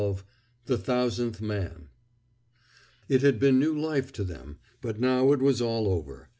XII THE THOUSANDTH MAN It had been new life to them, but now it was all over.